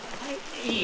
いい？